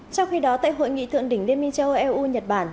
trong khi đó tại hội nghị thượng đỉnh liên minh châu âu eu nhật bản